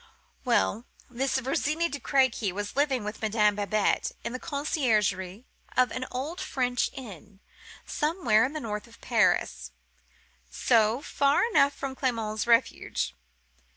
"Well: this Virginie de Crequy was living with Madame Babette in the conciergerie of an old French inn, somewhere to the north of Paris, so, far enough from Clement's refuge.